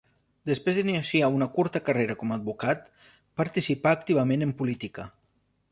Després d'iniciar una curta carrera com a advocat participà activament en política.